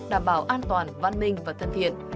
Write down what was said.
đảm bảo an toàn văn minh và thân thiện